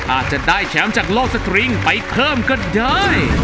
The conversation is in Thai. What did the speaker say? อาจจะได้แชมป์จากโลกสตริงไปเพิ่มก็ได้